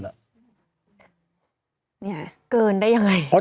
เนี่ยเกินได้ยังไง